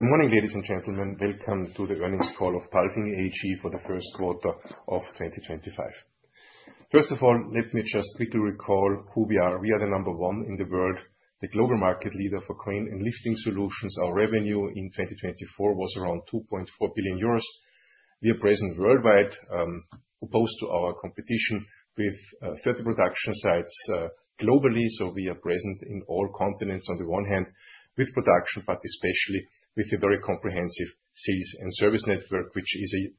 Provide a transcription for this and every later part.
Good morning, ladies and gentlemen. Welcome to the earnings call of Palfinger AG for the first quarter of 2025. First of all, let me just quickly recall who we are. We are the number one in the world, the global market leader for crane and lifting solutions. Our revenue in 2024 was around 2.4 billion euros. We are present worldwide, opposed to our competition, with 30 production sites globally. We are present in all continents on the one hand, with production, but especially with a very comprehensive sales and service network, which is a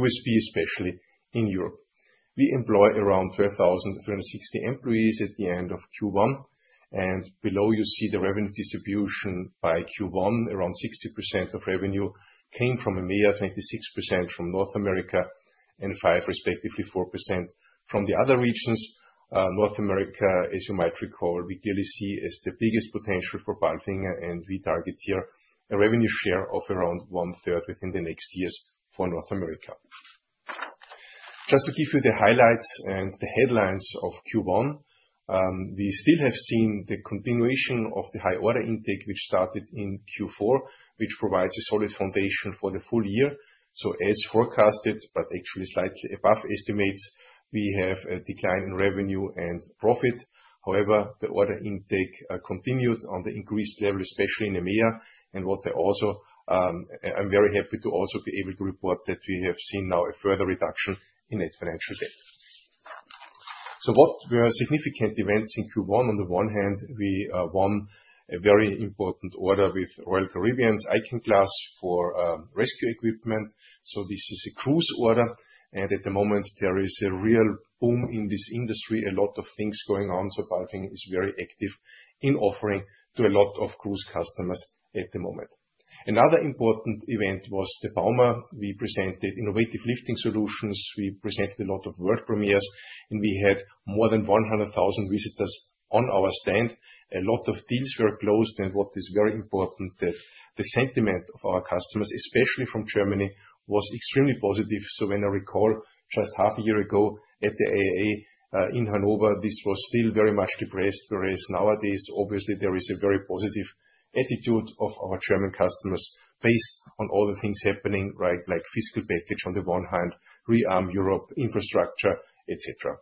USP, especially in Europe. We employ around 12,360 employees at the end of Q1. Below you see the revenue distribution by Q1. Around 60% of revenue came from EMEA, 26% from North America, and 5%, respectively, 4% from the other regions. North America, as you might recall, we clearly see as the biggest potential for Palfinger, and we target here a revenue share of around one third within the next years for North America. Just to give you the highlights and the headlines of Q1, we still have seen the continuation of the high order intake, which started in Q4, which provides a solid foundation for the full year. As forecasted, but actually slightly above estimates, we have a decline in revenue and profit. However, the order intake continued on the increased level, especially in EMEA. What I also, I'm very happy to also be able to report is that we have seen now a further reduction in net financial debt. What were significant events in Q1? On the one hand, we won a very important order with Royal Caribbean's Icon Class for rescue equipment. This is a cruise order. At the moment, there is a real boom in this industry. A lot of things going on. Palfinger is very active in offering to a lot of cruise customers at the moment. Another important event was the Bauma. We presented innovative lifting solutions. We presented a lot of world premiers, and we had more than 100,000 visitors on our stand. A lot of deals were closed. What is very important is that the sentiment of our customers, especially from Germany, was extremely positive. When I recall, just half a year ago at the IAA in Hannover, this was still very much depressed, whereas nowadays, obviously, there is a very positive attitude of our German customers based on all the things happening, like fiscal package on the one hand, rearm Europe, infrastructure, etc.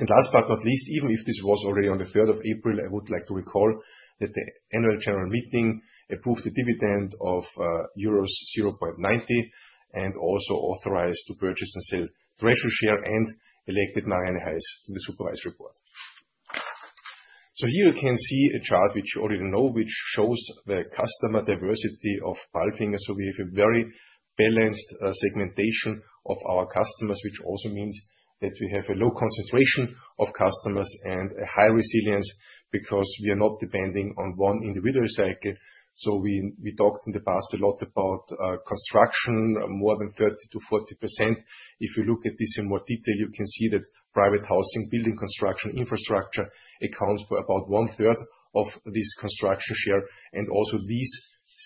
Last but not least, even if this was already on the 3rd of April, I would like to recall that the annual general meeting approved the dividend of euros 0.90 and also authorized to purchase and sell treasury share and elected Marianne Heiß in the Supervisory Board. Here you can see a chart, which you already know, which shows the customer diversity of Palfinger. We have a very balanced segmentation of our customers, which also means that we have a low concentration of customers and a high resilience because we are not depending on one individual cycle. We talked in the past a lot about construction, more than 30-40%. If you look at this in more detail, you can see that private housing, building, construction, infrastructure accounts for about one third of this construction share. Also, these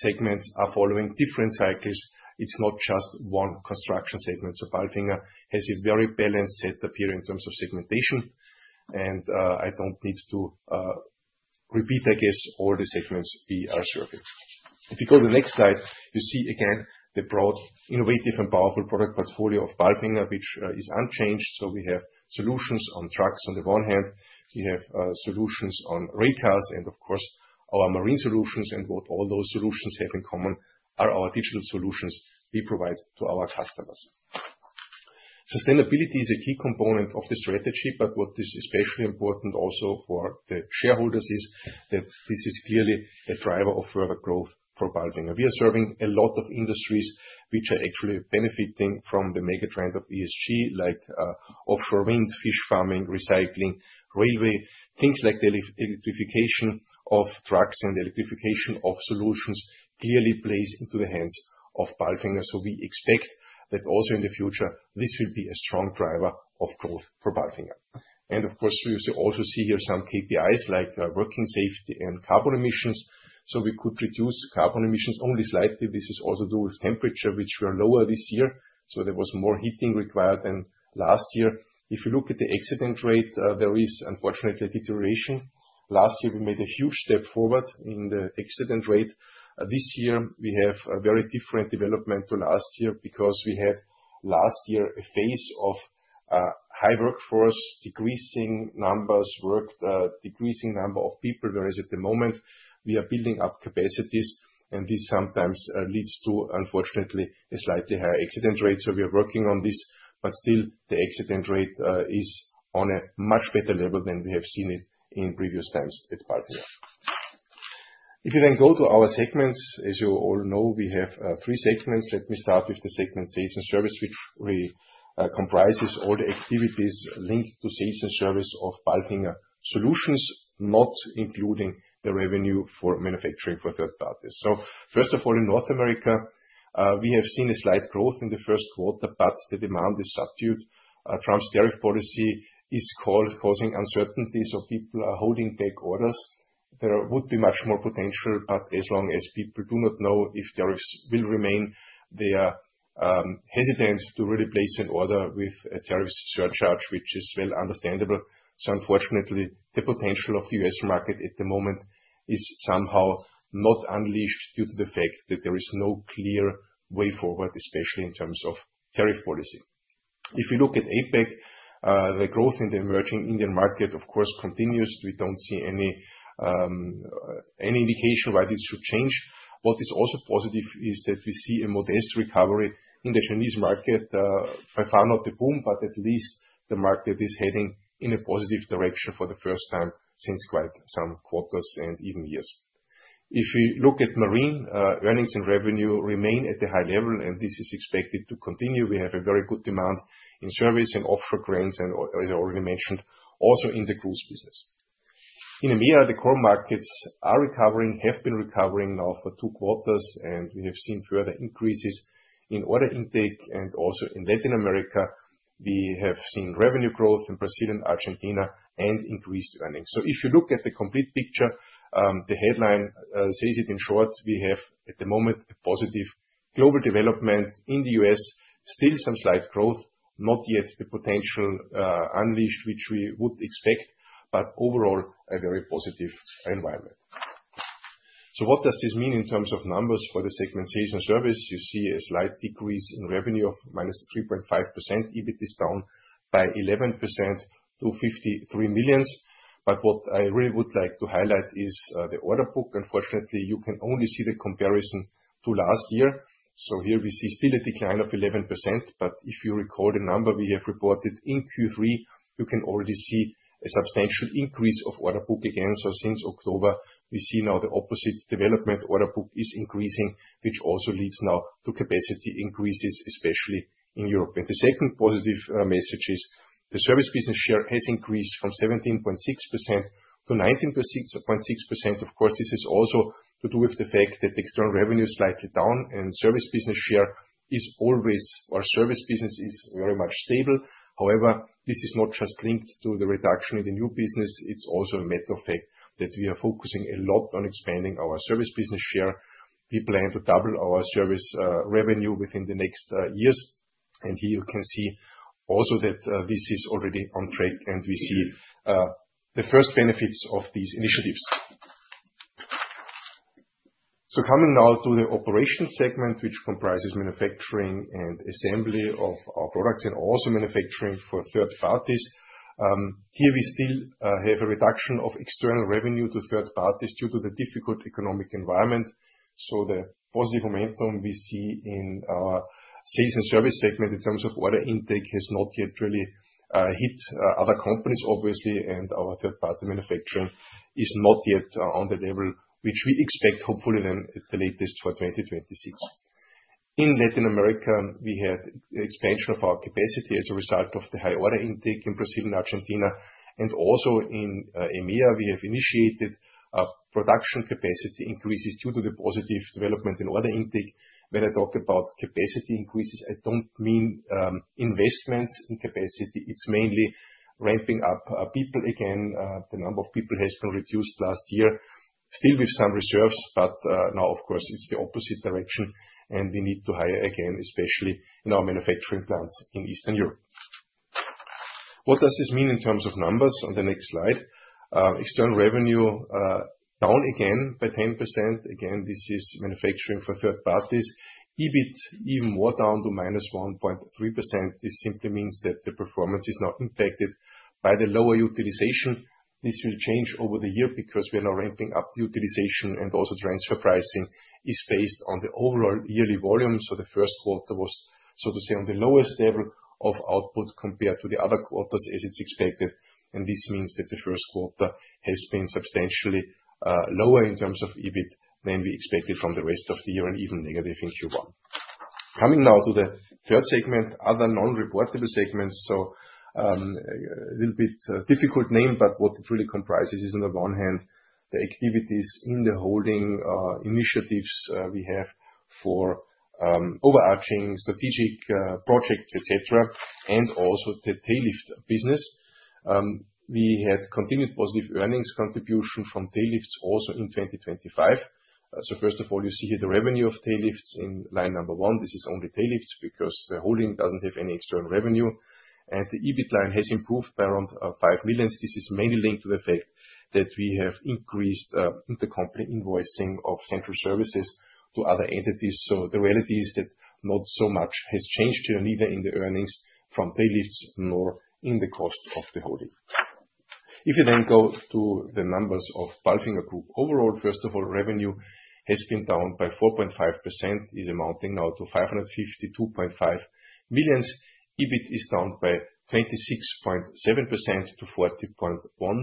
segments are following different cycles. is not just one construction segment. Palfinger has a very balanced setup here in terms of segmentation. I do not need to repeat, I guess, all the segments we are serving. If you go to the next slide, you see again the broad, innovative, and powerful product portfolio of Palfinger, which is unchanged. We have solutions on trucks on the one hand. We have solutions on rail cars. Of course, our marine solutions. What all those solutions have in common are our digital solutions we provide to our customers. Sustainability is a key component of the strategy. What is especially important also for the shareholders is that this is clearly a driver of further growth for Palfinger. We are serving a lot of industries which are actually benefiting from the mega trend of ESG, like, offshore wind, fish farming, recycling, railway, things like the electrification of trucks and the electrification of solutions clearly plays into the hands of Palfinger. We expect that also in the future, this will be a strong driver of growth for Palfinger. You also see here some KPIs like working safety and carbon emissions. We could reduce carbon emissions only slightly. This is also due to temperature, which was lower this year. There was more heating required than last year. If you look at the accident rate, there is unfortunately a deterioration. Last year, we made a huge step forward in the accident rate. This year, we have a very different development to last year because we had last year a phase of high workforce, decreasing numbers worked, decreasing number of people. Whereas at the moment, we are building up capacities. This sometimes leads to, unfortunately, a slightly higher accident rate. We are working on this. Still, the accident rate is on a much better level than we have seen it in previous times at Palfinger. If you then go to our segments, as you all know, we have three segments. Let me start with the segment sales and service, which comprises all the activities linked to sales and service of Palfinger Solutions, not including the revenue for manufacturing for third parties. First of all, in North America, we have seen a slight growth in the first quarter, but the demand is subdued. Trump's tariff policy is causing uncertainty. People are holding back orders. There would be much more potential, but as long as people do not know if tariffs will remain, they are hesitant to really place an order with a tariff surcharge, which is well understandable. Unfortunately, the potential of the U.S. market at the moment is somehow not unleashed due to the fact that there is no clear way forward, especially in terms of tariff policy. If you look at APAC, the growth in the emerging Indian market, of course, continues. We do not see any indication why this should change. What is also positive is that we see a modest recovery in the Chinese market, by far not a boom, but at least the market is heading in a positive direction for the first time since quite some quarters and even years. If you look at marine, earnings and revenue remain at a high level, and this is expected to continue. We have a very good demand in service and offshore cranes and, as I already mentioned, also in the cruise business. In EMEA, the core markets are recovering, have been recovering now for two quarters, and we have seen further increases in order intake. Also in Latin America, we have seen revenue growth in Brazil and Argentina and increased earnings. If you look at the complete picture, the headline says it in short, we have at the moment a positive global development. In the U.S., still some slight growth, not yet the potential unleashed which we would expect, but overall a very positive environment. What does this mean in terms of numbers for the segment sales and service? You see a slight decrease in revenue of -3.5%, EBIT is down by 11% to 53 million. What I really would like to highlight is, the order book. Unfortunately, you can only see the comparison to last year. Here we see still a decline of 11%. If you recall the number we have reported in Q3, you can already see a substantial increase of order book again. Since October, we see now the opposite development. Order book is increasing, which also leads now to capacity increases, especially in Europe. The second positive message is the service business share has increased from 17.6% to 19.6%. Of course, this is also to do with the fact that external revenue is slightly down and service business share is always, or service business is very much stable. However, this is not just linked to the reduction in the new business. It is also a matter of fact that we are focusing a lot on expanding our service business share. We plan to double our service revenue within the next years. Here you can see also that this is already on track and we see the first benefits of these initiatives. Coming now to the operation segment, which comprises manufacturing and assembly of our products and also manufacturing for third parties, we still have a reduction of external revenue to third parties due to the difficult economic environment. The positive momentum we see in our sales and service segment in terms of order intake has not yet really hit other companies, obviously. Our third-party manufacturing is not yet on the level which we expect, hopefully then at the latest for 2026. In Latin America, we had the expansion of our capacity as a result of the high order intake in Brazil and Argentina. Also in EMEA, we have initiated production capacity increases due to the positive development in order intake. When I talk about capacity increases, I do not mean investments in capacity. It is mainly ramping up people again. The number of people has been reduced last year, still with some reserves, but now, of course, it is the opposite direction and we need to hire again, especially in our manufacturing plants in Eastern Europe. What does this mean in terms of numbers on the next slide? External revenue, down again by 10%. Again, this is manufacturing for third parties. EBIT even more down to minus 1.3%. This simply means that the performance is now impacted by the lower utilization. This will change over the year because we are now ramping up the utilization and also transfer pricing is based on the overall yearly volume. The first quarter was, so to say, on the lowest level of output compared to the other quarters, as it is expected. This means that the first quarter has been substantially lower in terms of EBIT than we expected from the rest of the year and even negative in Q1. Coming now to the third segment, other non-reportable segments. A little bit difficult name, but what it really comprises is, on the one hand, the activities in the holding, initiatives we have for overarching strategic projects, etc., and also the tail lift business. We had continued positive earnings contribution from tail lifts also in 2025. First of all, you see here the revenue of tail lifts in line number one. This is only tail lifts because the holding does not have any external revenue. The EBIT line has improved by around 5 million. This is mainly linked to the fact that we have increased intercompany invoicing of central services to other entities. The reality is that not so much has changed here either in the earnings from tail lifts nor in the cost of the holding. If you then go to the numbers of Palfinger Group overall, first of all, revenue has been down by 4.5%, is amounting now to 552.5 million. EBIT is down by 26.7% to 40.1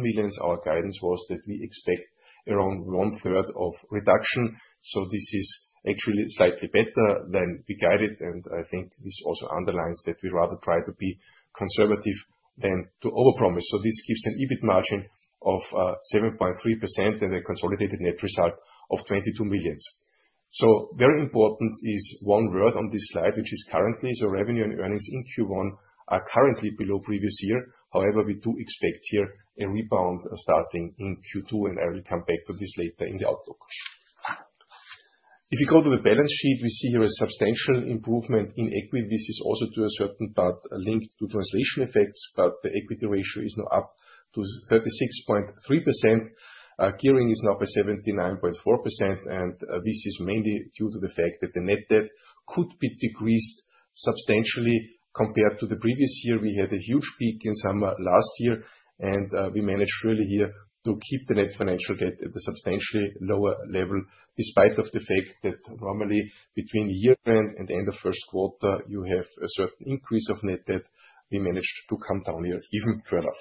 million. Our guidance was that we expect around one third of reduction. This is actually slightly better than we guided. I think this also underlines that we rather try to be conservative than to overpromise. This gives an EBIT margin of 7.3% and a consolidated net result of 22 million. Very important is one word on this slide, which is currently. Revenue and earnings in Q1 are currently below previous year. However, we do expect here a rebound starting in Q2. I will come back to this later in the outlook. If you go to the balance sheet, we see here a substantial improvement in equity. This is also to a certain part linked to translation effects, but the equity ratio is now up to 36.3%. Gearing is now by 79.4%. This is mainly due to the fact that the net debt could be decreased substantially compared to the previous year. We had a huge peak in summer last year. We managed really here to keep the net financial debt at a substantially lower level despite the fact that normally between year end and end of first quarter, you have a certain increase of net debt. We managed to come down here even further.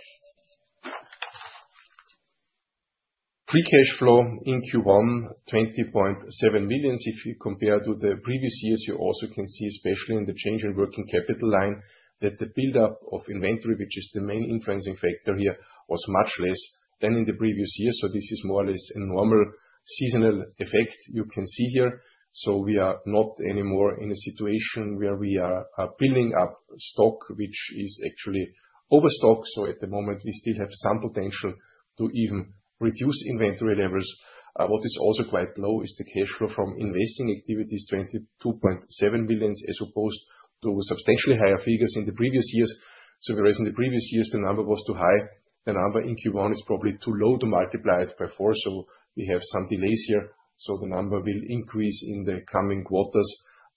Free cash flow in Q1, 20.7 million. If you compare to the previous years, you also can see, especially in the change in working capital line, that the buildup of inventory, which is the main influencing factor here, was much less than in the previous year. This is more or less a normal seasonal effect you can see here. We are not anymore in a situation where we are building up stock, which is actually overstocked. At the moment, we still have some potential to even reduce inventory levels. What is also quite low is the cash flow from investing activities, 22.7 million, as opposed to substantially higher figures in the previous years. Whereas in the previous years, the number was too high, the number in Q1 is probably too low to multiply it by four. We have some delays here. The number will increase in the coming quarters.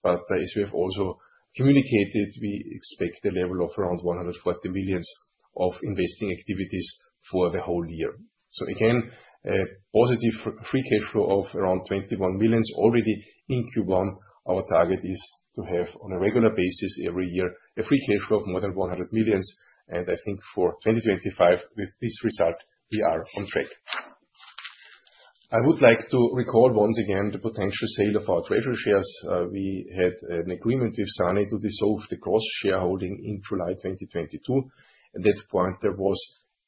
As we have also communicated, we expect a level of around 140 million of investing activities for the whole year. Again, a positive free cash flow of around 21 million already in Q1. Our target is to have on a regular basis every year a free cash flow of more than 100 million. I think for 2025, with this result, we are on track. I would like to recall once again the potential sale of our treasury shares. We had an agreement with SANY to dissolve the cross-shareholding in July 2022. At that point, there was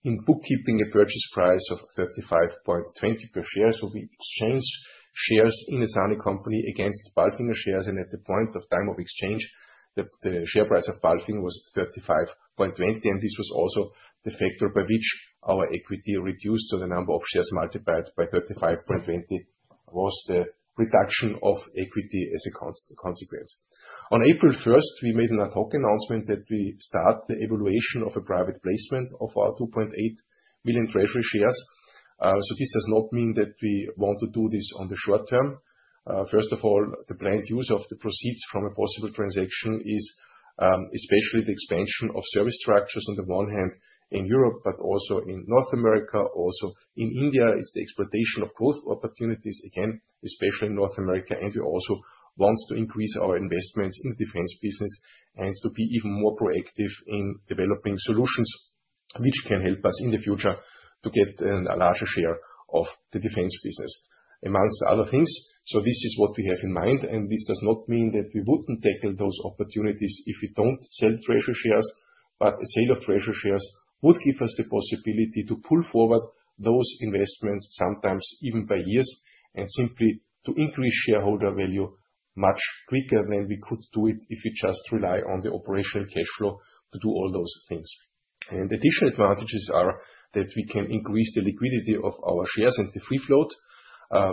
in bookkeeping a purchase price of 35.20 per share. We exchanged shares in a SANY company against Palfinger shares. At the point of time of exchange, the share price of Palfinger was 35.20. This was also the factor by which our equity reduced. The number of shares multiplied by 35.20 was the reduction of equity as a consequence. On April 1, we made an ad hoc announcement that we start the evaluation of a private placement of our 2.8 million treasury shares. This does not mean that we want to do this on the short term. First of all, the planned use of the proceeds from a possible transaction is, especially the expansion of service structures on the one hand in Europe, but also in North America, also in India. It is the exploitation of growth opportunities, again, especially in North America. We also want to increase our investments in the defense business and to be even more proactive in developing solutions which can help us in the future to get a larger share of the defense business amongst other things. This is what we have in mind. This does not mean that we would not tackle those opportunities if we do not sell treasury shares. A sale of treasury shares would give us the possibility to pull forward those investments, sometimes even by years, and simply to increase shareholder value much quicker than we could do it if we just rely on the operational cash flow to do all those things. Additional advantages are that we can increase the liquidity of our shares and the free float,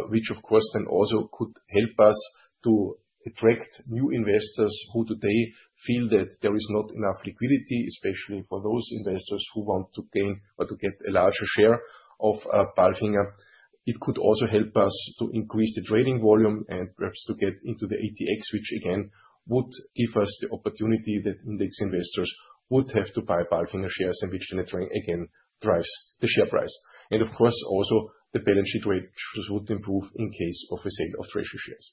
which of course then also could help us to attract new investors who today feel that there is not enough liquidity, especially for those investors who want to gain or to get a larger share of Palfinger. It could also help us to increase the trading volume and perhaps to get into the ATX, which again would give us the opportunity that index investors would have to buy Palfinger shares, in which the net rank again drives the share price. Of course, also the balance sheet rate would improve in case of a sale of treasury shares.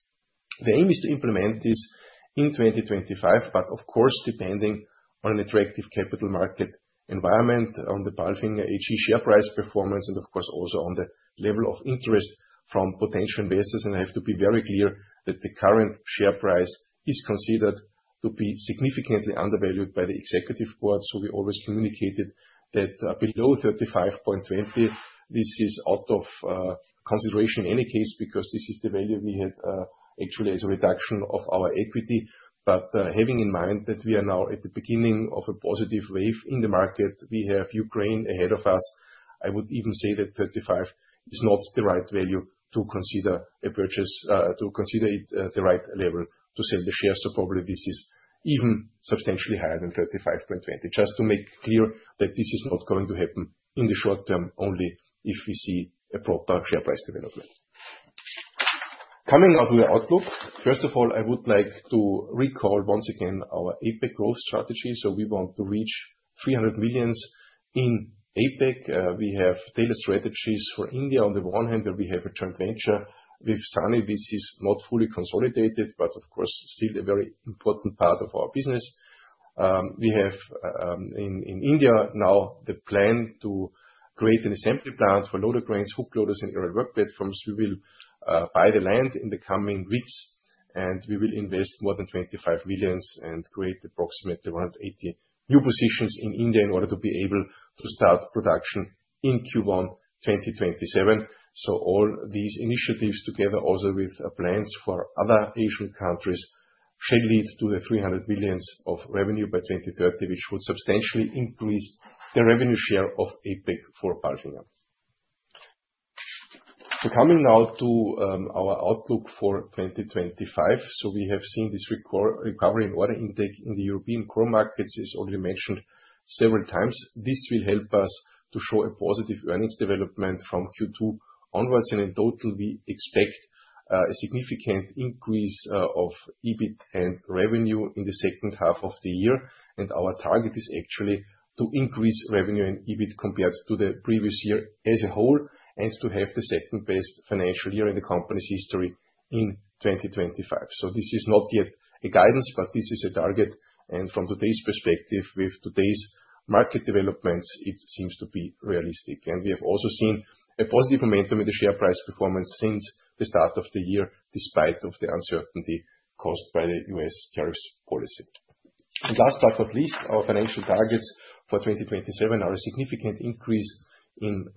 The aim is to implement this in 2025, but of course, depending on an attractive capital market environment, on the Palfinger AG share price performance, and of course also on the level of interest from potential investors. I have to be very clear that the current share price is considered to be significantly undervalued by the Executive Board. We always communicated that below 35.20, this is out of consideration in any case because this is the value we had, actually as a reduction of our equity. Having in mind that we are now at the beginning of a positive wave in the market, we have Ukraine ahead of us. I would even say that 35 is not the right value to consider a purchase, to consider it the right level to sell the shares. Probably this is even substantially higher than 35.20. Just to make clear that this is not going to happen in the short term only if we see a proper share price development. Coming out of the outlook, first of all, I would like to recall once again our APEC growth strategy. We want to reach 300 million in APEC. We have tailored strategies for India. On the one hand, where we have a joint venture with SANY, this is not fully consolidated, but of course still a very important part of our business. We have in India now the plan to create an assembly plant for loader cranes, hook loaders, and aerial work platforms. We will buy the land in the coming weeks and we will invest more than 25 million and create approximately 180 new positions in India in order to be able to start production in Q1 2027. All these initiatives together, also with plans for other Asian countries, should lead to the 300 million of revenue by 2030, which would substantially increase the revenue share of APEC for Palfinger. Coming now to our outlook for 2025. We have seen this recovery in order intake in the European core markets, as already mentioned several times. This will help us to show a positive earnings development from Q2 onwards. In total, we expect a significant increase of EBIT and revenue in the second half of the year. Our target is actually to increase revenue and EBIT compared to the previous year as a whole and to have the second best financial year in the company's history in 2025. This is not yet a guidance, but this is a target. From today's perspective, with today's market developments, it seems to be realistic. We have also seen a positive momentum in the share price performance since the start of the year, despite the uncertainty caused by the U.S. tariffs policy. Last but not least, our financial targets for 2027 are a significant increase in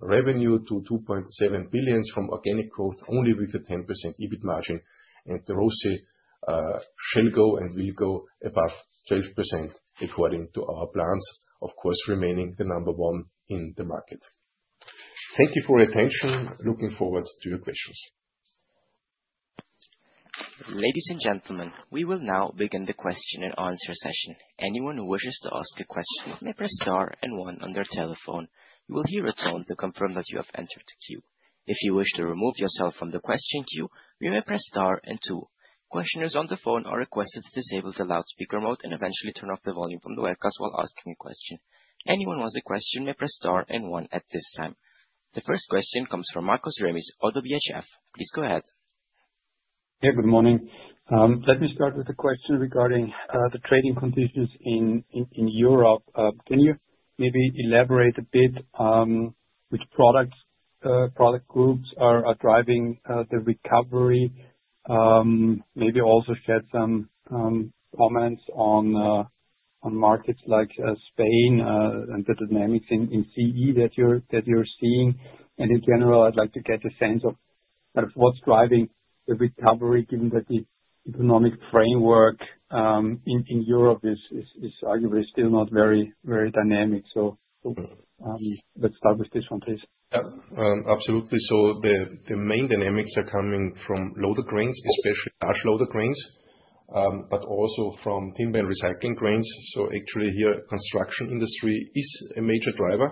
revenue to 2.7 billion from organic growth only with a 10% EBIT margin. The ROCE shall go and will go above 12% according to our plans, of course remaining the number one in the market. Thank you for your attention. Looking forward to your questions. Ladies and gentlemen, we will now begin the question and answer session. Anyone who wishes to ask a question may press star and one on their telephone. You will hear a tone to confirm that you have entered the queue. If you wish to remove yourself from the question queue, you may press star and two. Questioners on the phone are requested to disable the loudspeaker mode and eventually turn off the volume from the webcast while asking a question. Anyone who has a question may press star and one at this time. The first question comes from Markus Remis of Oddo BHF. Please go ahead. Yeah, good morning. Let me start with a question regarding the trading conditions in Europe. Can you maybe elaborate a bit, which products, product groups are driving the recovery? Maybe also shed some comments on markets like Spain, and the dynamics in CE that you're seeing. In general, I'd like to get a sense of kind of what's driving the recovery, given that the economic framework in Europe is arguably still not very dynamic. Let's start with this one, please. Yeah, absolutely. The main dynamics are coming from loader cranes, especially large loader cranes, but also from timber and recycling cranes. Actually, here, construction industry is a major driver.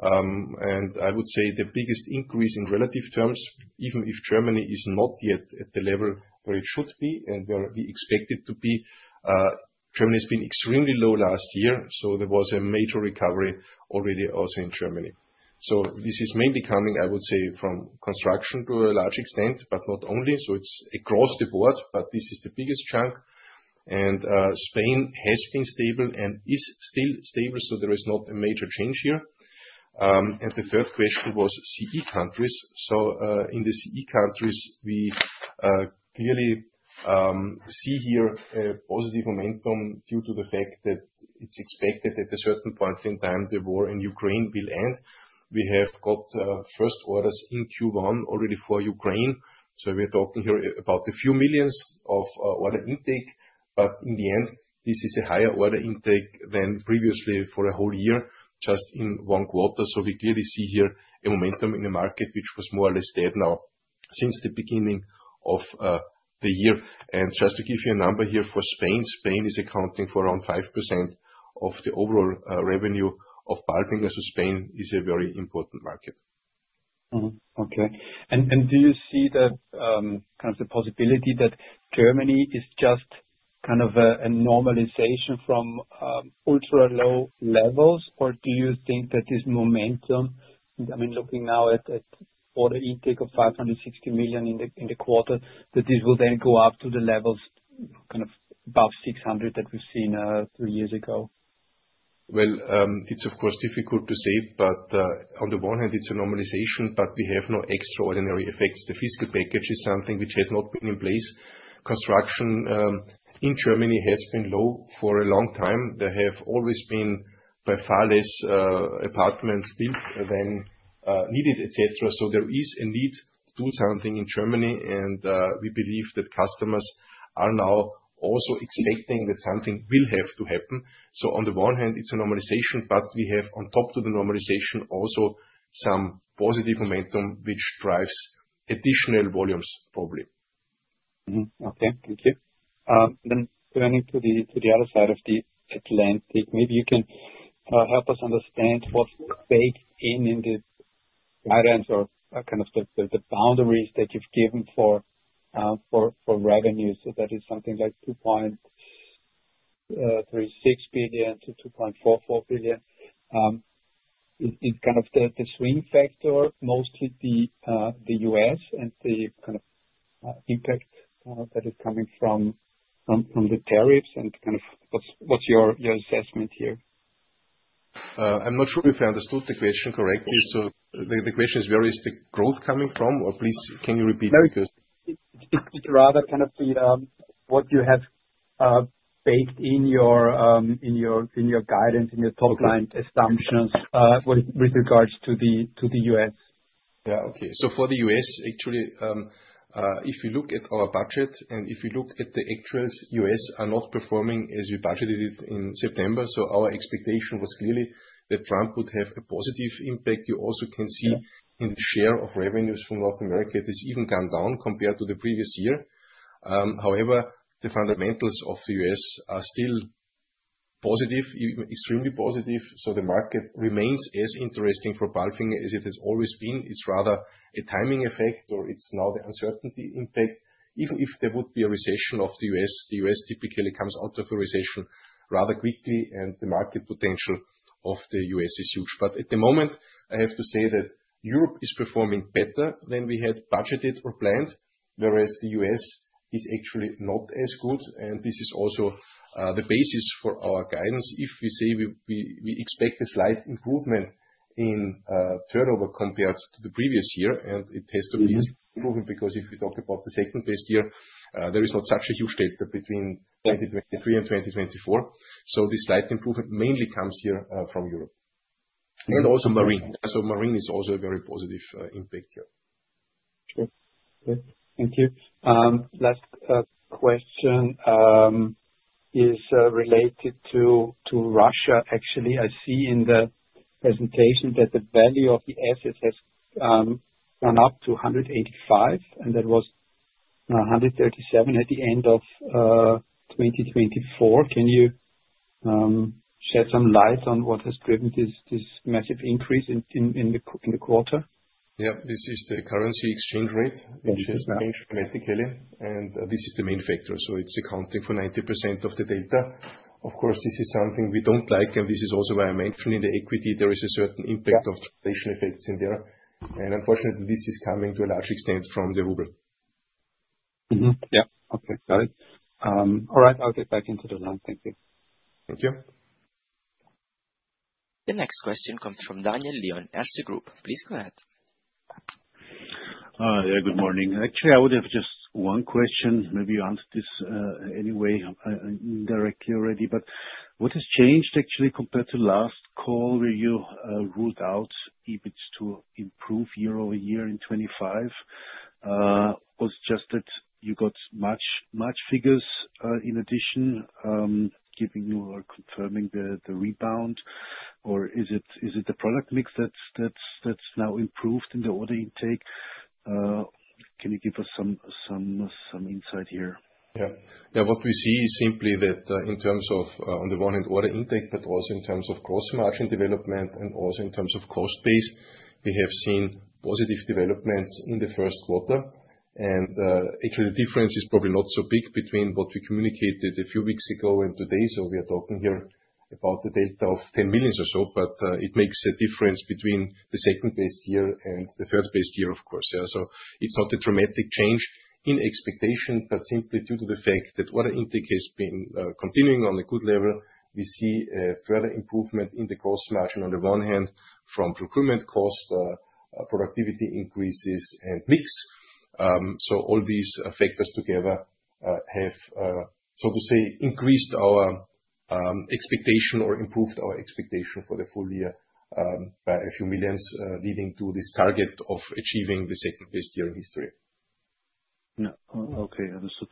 I would say the biggest increase in relative terms, even if Germany is not yet at the level where it should be and where we expect it to be, Germany has been extremely low last year. There was a major recovery already also in Germany. This is mainly coming, I would say, from construction to a large extent, but not only. It is across the board, but this is the biggest chunk. Spain has been stable and is still stable. There is not a major change here. The third question was CEE countries. In the CEE countries, we clearly see here a positive momentum due to the fact that it is expected at a certain point in time the war in Ukraine will end. We have got first orders in Q1 already for Ukraine. We are talking here about a few millions of order intake. In the end, this is a higher order intake than previously for a whole year, just in one quarter. We clearly see here a momentum in the market, which was more or less dead now since the beginning of the year. Just to give you a number here for Spain, Spain is accounting for around 5% of the overall revenue of Palfinger. Spain is a very important market. Mm-hmm. Okay. Do you see that, kind of the possibility that Germany is just kind of a normalization from ultra low levels, or do you think that this momentum, I mean, looking now at order intake of 560 million in the quarter, that this will then go up to the levels kind of above 600 million that we've seen three years ago? It is of course difficult to say, but on the one hand, it is a normalization, but we have no extraordinary effects. The fiscal package is something which has not been in place. Construction in Germany has been low for a long time. There have always been by far less apartments built than needed, et cetera. There is a need to do something in Germany. We believe that customers are now also expecting that something will have to happen. On the one hand, it is a normalization, but we have on top to the normalization also some positive momentum, which drives additional volumes probably. Mm-hmm. Okay. Thank you. Turning to the other side of the Atlantic, maybe you can help us understand what's baked in the guidance or kind of the boundaries that you've given for revenue. That is something like 2.36 billion-2.44 billion. Is kind of the swing factor mostly the U.S. and the kind of impact that is coming from the tariffs and kind of what's your assessment here? I'm not sure if I understood the question correctly. The question is, where is the growth coming from? Or please, can you repeat it? It's rather kind of what you have baked in your guidance, in your top line assumptions, with regards to the U.S. Yeah. Okay. For the U.S., actually, if you look at our budget and if you look at the actuals, U.S. are not performing as we budgeted it in September. Our expectation was clearly that Trump would have a positive impact. You also can see in the share of revenues from North America, it has even gone down compared to the previous year. However, the fundamentals of the U.S. are still positive, extremely positive. The market remains as interesting for Palfinger as it has always been. It's rather a timing effect or it's now the uncertainty impact. If there would be a recession of the U.S., the U.S. typically comes out of a recession rather quickly and the market potential of the U.S. is huge. At the moment, I have to say that Europe is performing better than we had budgeted or planned, whereas the U.S. is actually not as good. This is also the basis for our guidance. If we say we expect a slight improvement in turnover compared to the previous year, it has to be improving because if we talk about the second best year, there is not such a huge delta between 2023 and 2024. This slight improvement mainly comes here from Europe. Also marine. Marine is also a very positive impact here. Okay. Thank you. Last question is related to Russia. Actually, I see in the presentation that the value of the assets has gone up to 185 and that was 137 at the end of 2024. Can you shed some light on what has driven this massive increase in the quarter? Yeah. This is the currency exchange rate, which has changed dramatically. This is the main factor. It is accounting for 90% of the delta. Of course, this is something we do not like. This is also why I mentioned in the equity, there is a certain impact of translation effects in there. Unfortunately, this is coming to a large extent from the ruble. Mm-hmm. Yeah. Okay. Got it. All right. I'll get back into the line. Thank you. Thank you. The next question comes from Daniel Lion at the Erste Group. Please go ahead. Yeah, good morning. Actually, I would have just one question. Maybe you answered this, anyway, indirectly already. What has changed actually compared to last call where you ruled out EBIT to improve year over year in 2025? Was it just that you got much, much figures, in addition, giving you or confirming the rebound? Or is it the product mix that's now improved in the order intake? Can you give us some insight here? Yeah. What we see is simply that, in terms of, on the one hand, order intake, but also in terms of gross margin development and also in terms of cost base, we have seen positive developments in the first quarter. Actually, the difference is probably not so big between what we communicated a few weeks ago and today. We are talking here about a delta of 10 million or so, but it makes a difference between the second best year and the first best year, of course. Yeah. It is not a dramatic change in expectation, but simply due to the fact that order intake has been continuing on a good level, we see a further improvement in the gross margin on the one hand from procurement cost, productivity increases, and mix. All these factors together have, so to say, increased our expectation or improved our expectation for the full year by a few millions, leading to this target of achieving the second best year in history. Yeah. Okay. Understood.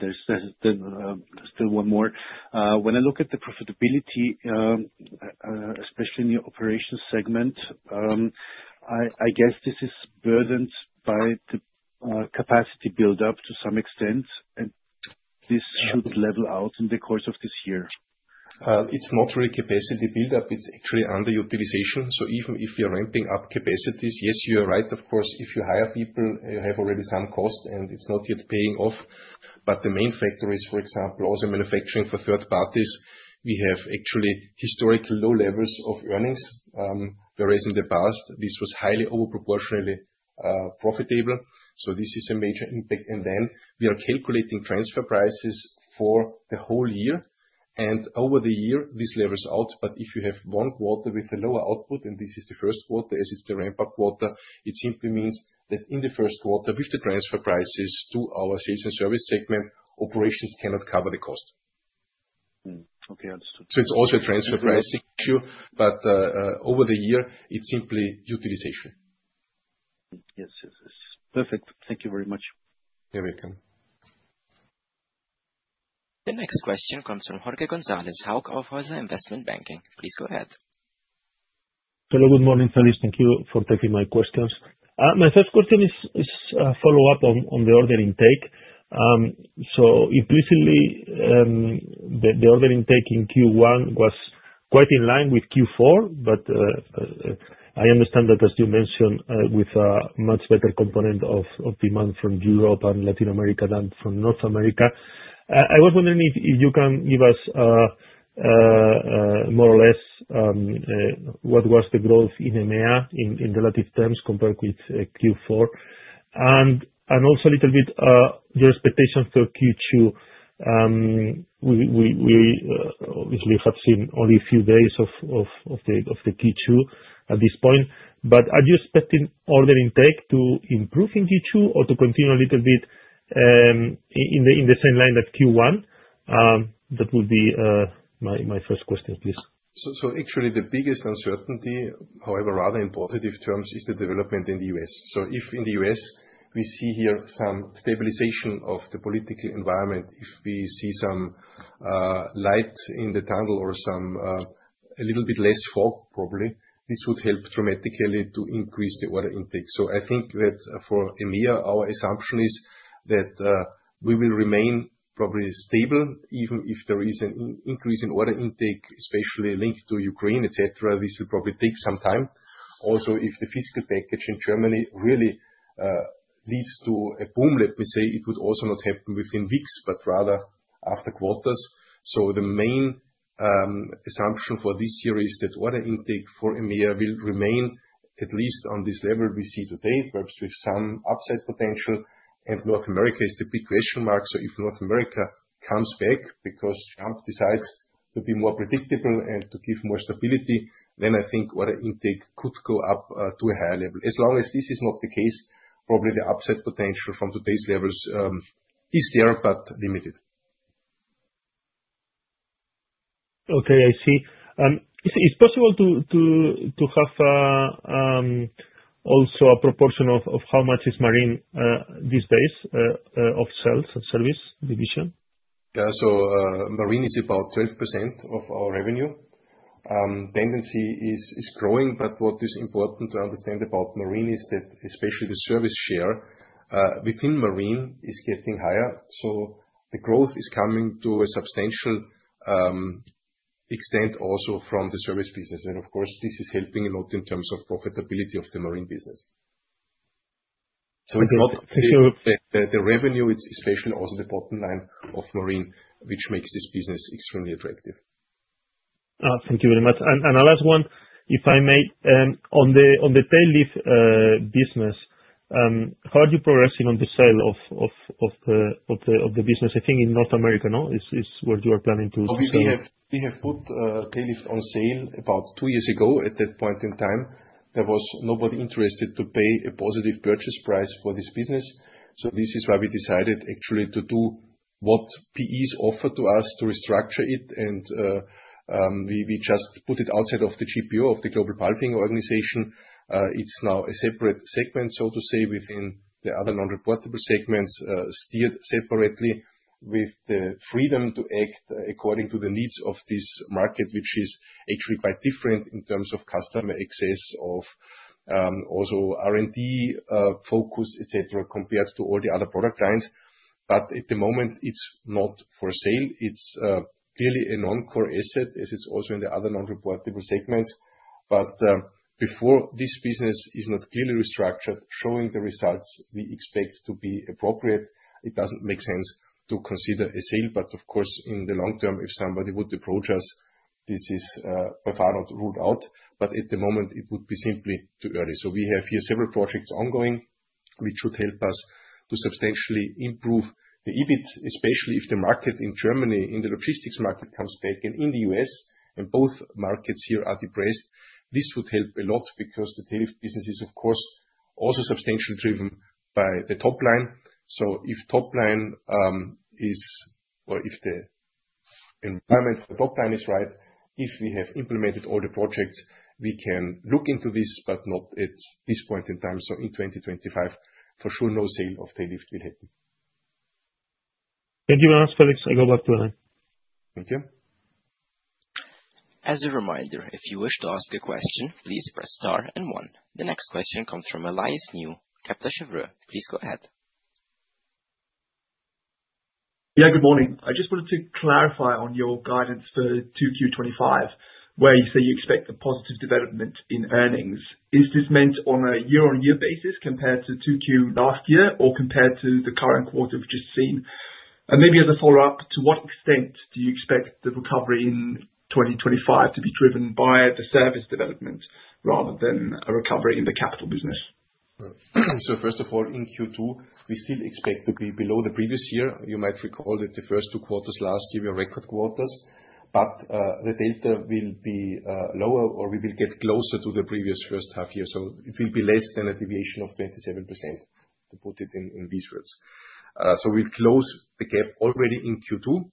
There is then still one more. When I look at the profitability, especially in the operations segment, I guess this is burdened by the capacity buildup to some extent, and this should level out in the course of this year. It's not really capacity buildup. It's actually underutilization. Even if you're ramping up capacities, yes, you are right. Of course, if you hire people, you have already some cost and it's not yet paying off. The main factor is, for example, also manufacturing for third parties. We have actually historically low levels of earnings, whereas in the past, this was highly overproportionally profitable. This is a major impact. We are calculating transfer prices for the whole year, and over the year, this levels out. If you have one quarter with a lower output, and this is the first quarter as it's the ramp-up quarter, it simply means that in the first quarter, with the transfer prices to our sales and service segment, operations cannot cover the cost. Okay. Understood. It is also a transfer pricing issue, but, over the year, it's simply utilization. Yes. Yes. Yes. Perfect. Thank you very much. You're welcome. The next question comes from Jorge Gonzalez, Hauck Aufhäuser Investment Banking. Please go ahead. Hello. Good morning, Thalis. Thank you for taking my questions. My first question is a follow-up on the order intake. Implicitly, the order intake in Q1 was quite in line with Q4, but I understand that, as you mentioned, with a much better component of demand from Europe and Latin America than from North America. I was wondering if you can give us, more or less, what was the growth in EMEA in relative terms compared with Q4. And also a little bit, your expectations for Q2. We obviously have seen only a few days of the Q2 at this point. Are you expecting order intake to improve in Q2 or to continue a little bit in the same line that Q1? That would be my first question, please. Actually, the biggest uncertainty, however, rather in positive terms, is the development in the U.S. If in the U.S. we see here some stabilization of the political environment, if we see some light in the tunnel or a little bit less fog, probably, this would help dramatically to increase the order intake. I think that for EMEA, our assumption is that we will remain probably stable even if there is an increase in order intake, especially linked to Ukraine, et cetera. This will probably take some time. Also, if the fiscal package in Germany really leads to a boom, let me say, it would also not happen within weeks, but rather after quarters. The main assumption for this year is that order intake for EMEA will remain at least on this level we see today, perhaps with some upside potential. North America is the big question mark. If North America comes back because Trump decides to be more predictable and to give more stability, then I think order intake could go up to a higher level. As long as this is not the case, probably the upside potential from today's levels is there, but limited. Okay. I see. Is it possible to have also a proportion of how much is marine, this base, of sales and service division? Yeah. Marine is about 12% of our revenue. Tendency is growing, but what is important to understand about marine is that especially the service share within marine is getting higher. The growth is coming to a substantial extent also from the service business. Of course, this is helping a lot in terms of profitability of the marine business. It is not the revenue, it is especially also the bottom line of marine, which makes this business extremely attractive. Thank you very much. I'll ask one, if I may, on the tail lift business. How are you progressing on the sale of the business? I think in North America, no, is where you are planning to sell. Obviously, we have put tail lifts on sale about two years ago. At that point in time, there was nobody interested to pay a positive purchase price for this business. This is why we decided actually to do what PEs offered to us to restructure it. We just put it outside of the GPO of the Global Palfinger Organization. It's now a separate segment, so to say, within the other non-reportable segments, steered separately with the freedom to act according to the needs of this market, which is actually quite different in terms of customer access, also R&D focus, et cetera, compared to all the other product lines. At the moment, it's not for sale. It's clearly a non-core asset, as it's also in the other non-reportable segments. Before this business is not clearly restructured, showing the results we expect to be appropriate, it does not make sense to consider a sale. Of course, in the long term, if somebody would approach us, this is by far not ruled out. At the moment, it would be simply too early. We have here several projects ongoing, which should help us to substantially improve the EBIT, especially if the market in Germany, in the logistics market, comes back and in the U.S., and both markets here are depressed. This would help a lot because the tail lift business is, of course, also substantially driven by the top line. If the top line is, or if the environment for top line is right, if we have implemented all the projects, we can look into this, but not at this point in time. In 2025, for sure, no sale of tail lift will happen. Thank you very much, Felix. I go back to Elay. Thank you. As a reminder, if you wish to ask a question, please press star and one. The next question comes from Elias New, Kepler Cheuvreux. Please go ahead. Yeah. Good morning. I just wanted to clarify on your guidance for 2Q 2025, where you say you expect a positive development in earnings. Is this meant on a year-on-year basis compared to 2Q last year or compared to the current quarter we've just seen? And maybe as a follow-up, to what extent do you expect the recovery in 2025 to be driven by the service development rather than a recovery in the capital business? First of all, in Q2, we still expect to be below the previous year. You might recall that the first two quarters last year were record quarters, but the delta will be lower or we will get closer to the previous first half year. It will be less than a deviation of 27% to put it in these words. We will close the gap already in Q2,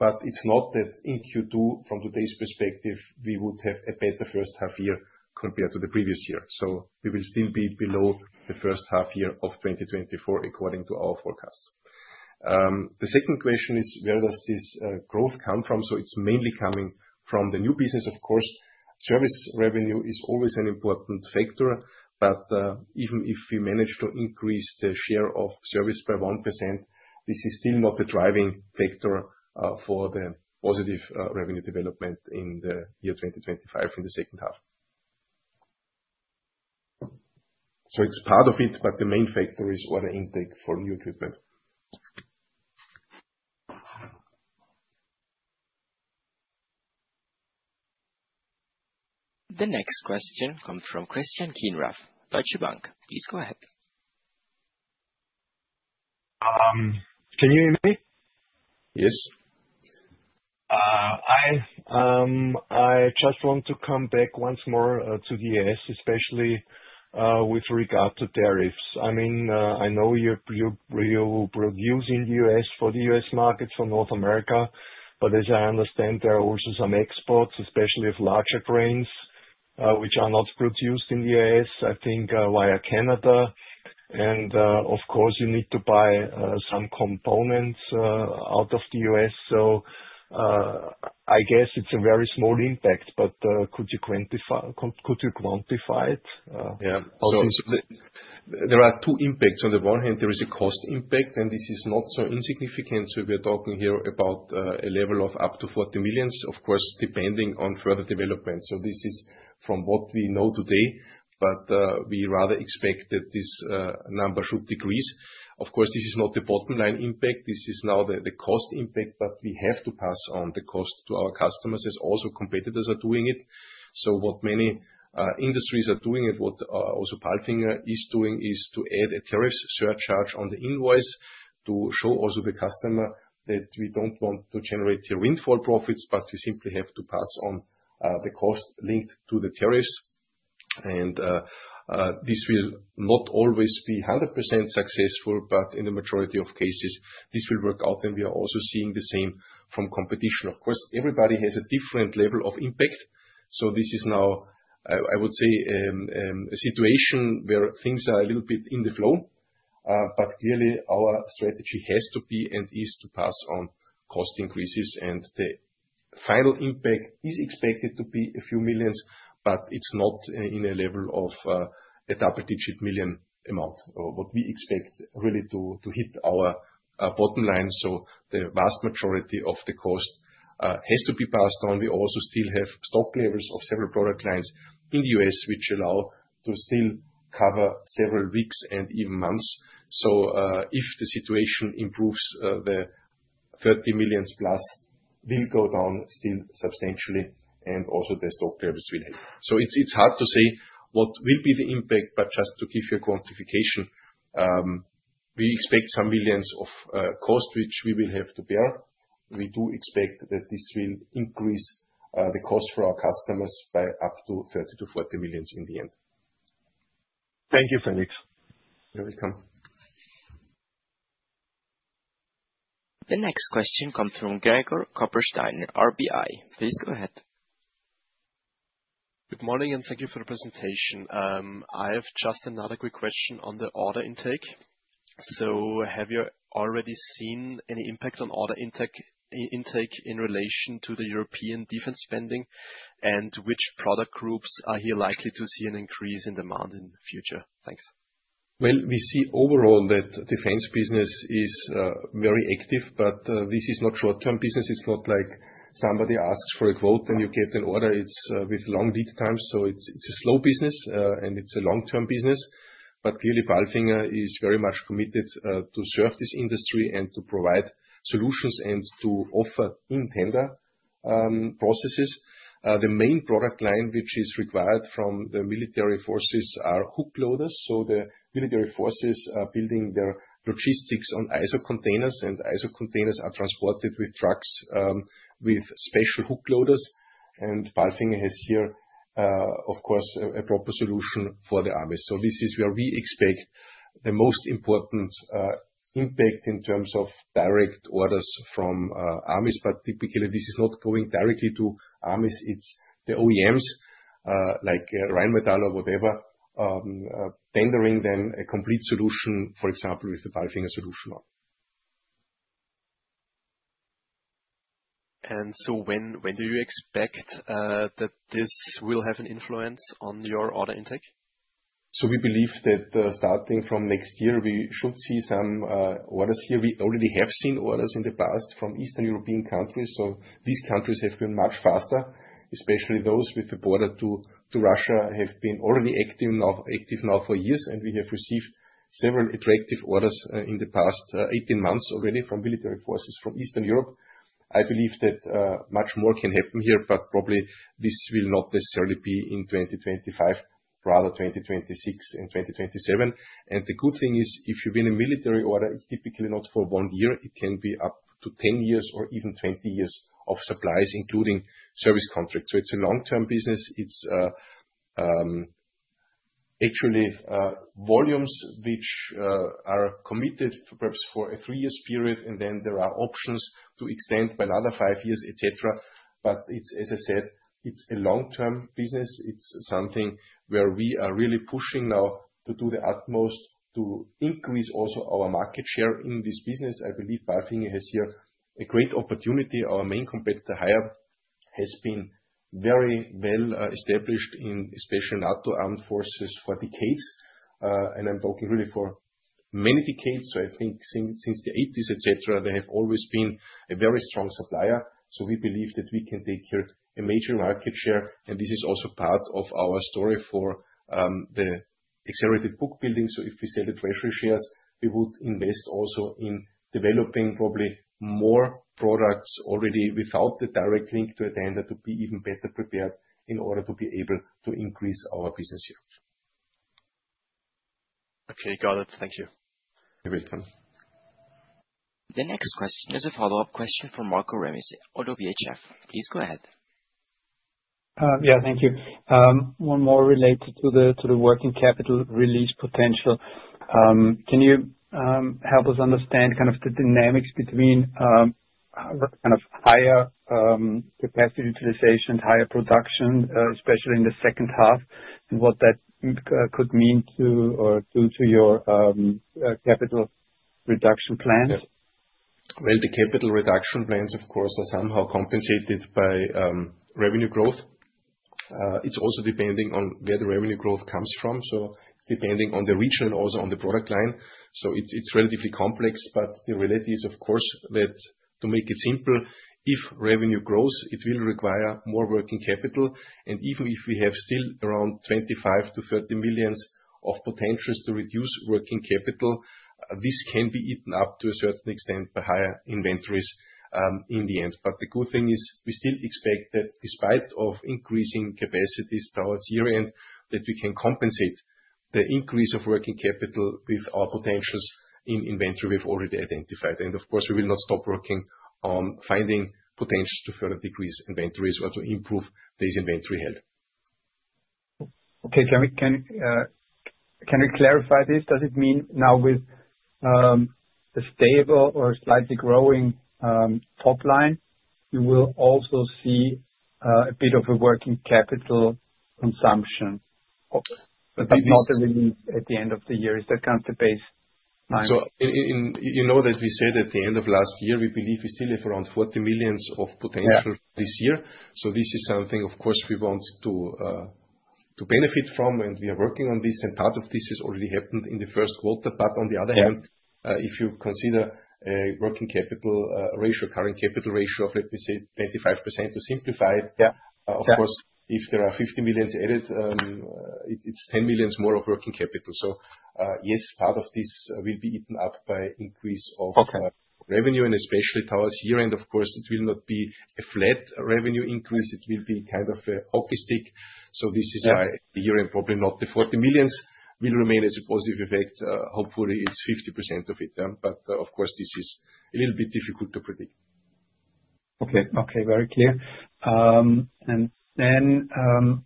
but it's not that in Q2, from today's perspective, we would have a better first half year compared to the previous year. We will still be below the first half year of 2024 according to our forecasts. The second question is, where does this growth come from? It's mainly coming from the new business, of course. Service revenue is always an important factor, but even if we manage to increase the share of service by 1%, this is still not a driving factor for the positive revenue development in the year 2025 in the second half. It is part of it, but the main factor is order intake for new equipment. The next question comes from Christian Kienrath, Deutsche Bank. Please go ahead. Can you hear me? Yes. I just want to come back once more to the U.S., especially with regard to tariffs. I mean, I know you are producing in the U.S. for the U.S. market for North America, but as I understand, there are also some exports, especially of larger cranes, which are not produced in the U.S., I think, via Canada. Of course, you need to buy some components out of the U.S. I guess it's a very small impact, but could you quantify, could you quantify it? Yeah. Okay. There are two impacts. On the one hand, there is a cost impact, and this is not so insignificant. We are talking here about a level of up to 40 million, of course, depending on further development. This is from what we know today, but we rather expect that this number should decrease. Of course, this is not the bottom line impact. This is now the cost impact, but we have to pass on the cost to our customers as also competitors are doing it. What many industries are doing and what also Palfinger is doing is to add a tariff surcharge on the invoice to show also the customer that we do not want to generate windfall profits, but we simply have to pass on the cost linked to the tariffs. This will not always be 100% successful, but in the majority of cases, this will work out. We are also seeing the same from competition. Of course, everybody has a different level of impact. This is now, I would say, a situation where things are a little bit in the flow, but clearly our strategy has to be and is to pass on cost increases. The final impact is expected to be a few millions, but it is not in a level of a double-digit million amount or what we expect really to hit our bottom line. The vast majority of the cost has to be passed on. We also still have stock levels of several product lines in the U.S., which allow to still cover several weeks and even months. If the situation improves, the 30 million-plus will go down still substantially, and also the stock levels will help. It's hard to say what will be the impact, but just to give you a quantification, we expect some millions of cost, which we will have to bear. We do expect that this will increase the cost for our customers by up to 30-40 million in the end. Thank you, Felix. You're welcome. The next question comes from Gregor Kouba, RBI. Please go ahead. Good morning and thank you for the presentation. I have just another quick question on the order intake. Have you already seen any impact on order intake in relation to the European defense spending? Which product groups are you likely to see an increase in demand in the future? Thanks. We see overall that defense business is very active, but this is not short-term business. It's not like somebody asks for a quote and you get an order. It's with long lead times. It's a slow business, and it's a long-term business. Clearly, Palfinger is very much committed to serve this industry and to provide solutions and to offer in-tender processes. The main product line which is required from the military forces are hook loaders. The military forces are building their logistics on ISO containers, and ISO containers are transported with trucks, with special hook loaders. Palfinger has here, of course, a proper solution for the army. This is where we expect the most important impact in terms of direct orders from armies. Typically, this is not going directly to armies. It's the OEMs, like Rheinmetall or whatever, tendering then a complete solution, for example, with the Palfinger solution on. When do you expect that this will have an influence on your order intake? We believe that, starting from next year, we should see some orders here. We already have seen orders in the past from Eastern European countries. These countries have been much faster, especially those with the border to Russia have been already active now, active now for years. We have received several attractive orders in the past 18 months already from military forces from Eastern Europe. I believe that much more can happen here, but probably this will not necessarily be in 2025, rather 2026 and 2027. The good thing is, if you win a military order, it's typically not for one year. It can be up to 10 years or even 20 years of supplies, including service contracts. It is a long-term business. It's actually volumes which are committed perhaps for a three-year period, and then there are options to extend by another five years, et cetera. As I said, it's a long-term business. It's something where we are really pushing now to do the utmost to increase also our market share in this business. I believe Palfinger has here a great opportunity. Our main competitor, HIAB, has been very well established in especially NATO armed forces for decades. I'm talking really for many decades. I think since the 1980s, et cetera, they have always been a very strong supplier. We believe that we can take here a major market share. This is also part of our story for the accelerated book building. If we sell the treasury shares, we would invest also in developing probably more products already without the direct link to a tender to be even better prepared in order to be able to increase our business here. Okay. Got it. Thank you. You're welcome. The next question is a follow-up question from Marcus Remis, ODOVHF. Please go ahead. Thank you. One more related to the working capital release potential. Can you help us understand kind of the dynamics between higher capacity utilization, higher production, especially in the second half, and what that could mean to or do to your capital reducti on plans? The capital reduction plans, of course, are somehow compensated by revenue growth. It is also depending on where the revenue growth comes from. It is depending on the region and also on the product line. It is relatively complex, but the reality is, of course, that to make it simple, if revenue grows, it will require more working capital. Even if we have still around 25-30 million of potential to reduce working capital, this can be eaten up to a certain extent by higher inventories in the end. The good thing is we still expect that despite increasing capacities towards year-end, we can compensate the increase of working capital with our potentials in inventory we have already identified. Of course, we will not stop working on finding potentials to further decrease inventories or to improve these inventory health. Okay. Can we clarify this? Does it mean now with a stable or slightly growing top line, you will also see a bit of a working capital consumption, but not the release at the end of the year? Is that kind of the base line? In, you know, that we said at the end of last year, we believe we still have around 40 million of potential this year. This is something, of course, we want to benefit from, and we are working on this. Part of this has already happened in the first quarter. On the other hand, if you consider working capital, current capital ratio of, let me say, 25% to simplify it. Yeah. Of course, if there are 50 million added, it is 10 million more of working capital. Yes, part of this will be eaten up by increase of revenue and especially towards year-end. It will not be a flat revenue increase. It will be kind of a hockey stick. This is why the year-end, probably not the 40 million will remain as a positive effect. Hopefully it is 50% of it. Yeah. Of course, this is a little bit difficult to predict. Okay. Very clear.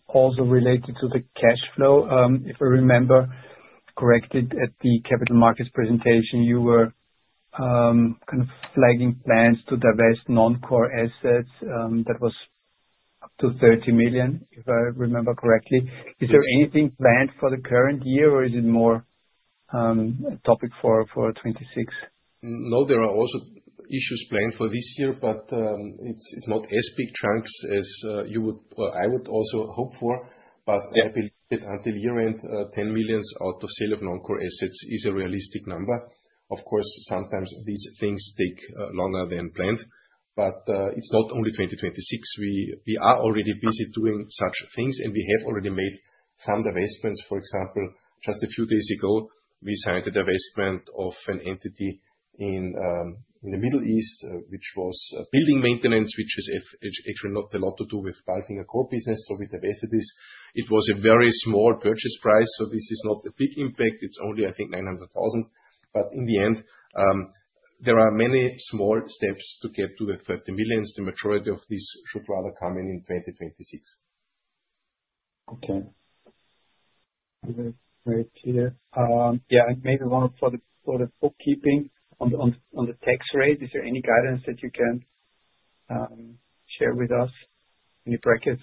Also related to the cash flow, if I remember correctly at the capital markets presentation, you were kind of flagging plans to divest non-core assets. That was up to 30 million, if I remember correctly. Is there anything planned for the current year, or is it more a topic for 2026? No, there are also issues planned for this year, but it is not as big chunks as you would, or I would also hope for. I believe that until year-end, 10 million out of sale of non-core assets is a realistic number. Of course, sometimes these things take longer than planned, but it is not only 2026. We are already busy doing such things, and we have already made some divestments. For example, just a few days ago, we signed a divestment of an entity in the Middle East, which was building maintenance, which is actually not a lot to do with Palfinger core business. We divested this. It was a very small purchase price. This is not a big impact. It's only, I think, 900,000. In the end, there are many small steps to get to the 30 million. The majority of this should rather come in in 2026. Okay. Very clear. Yeah. Maybe one for the bookkeeping on the tax rate. Is there any guidance that you can share with us in the brackets?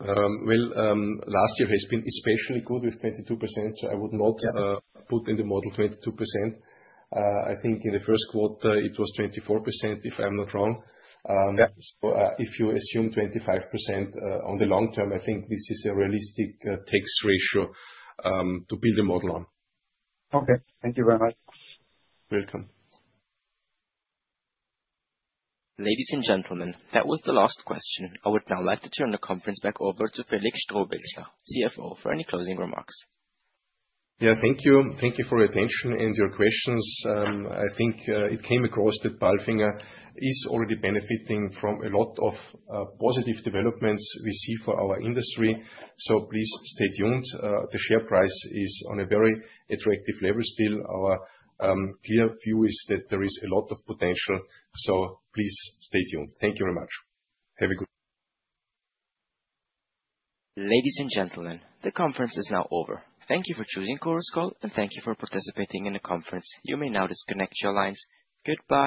Last year has been especially good with 22%. I would not put in the model 22%. I think in the first quarter, it was 24%, if I'm not wrong. If you assume 25% on the long term, I think this is a realistic tax ratio to build a model on. Okay. Thank you very much. You're welcome. Ladies and gentlemen, that was the last question. I would now like to turn the conference back over to Felix Strohbichler, CFO, for any closing remarks. Thank you. Thank you for your attention and your questions. I think it came across that Palfinger is already benefiting from a lot of positive developments we see for our industry. Please stay tuned. The share price is on a very attractive level still. Our clear view is that there is a lot of potential. Please stay tuned. Thank you very much. Have a good day. Ladies and gentlemen, the conference is now over. Thank you for choosing Chorus Call, and thank you for participating in the conference. You may now disconnect your lines. Goodbye.